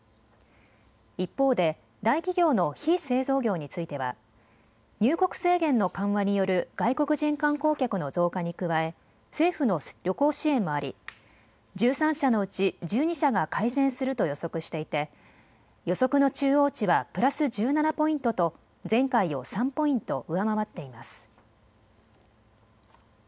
一方で大企業の非製造業については入国制限の緩和による外国人観光客の増加に加え政府の旅行支援もあり１３社のうち１２社が改善すると予測していて予測の中央値はプラス１７ポイントと前回を３ポイント上回っています。